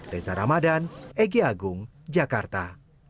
reza ramadan egy agung jakarta